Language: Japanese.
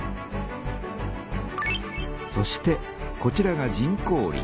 そしてこちらが人工林。